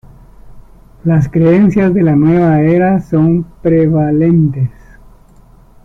Las creencias de la Nueva era son prevalentes.